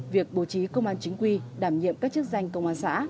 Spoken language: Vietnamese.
việc bố trí công an chính quy đảm nhiệm các chức danh công an xã